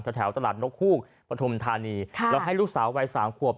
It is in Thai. แถวตลาดนกฮูกปฐุมธานีแล้วให้ลูกสาววัยสามขวบ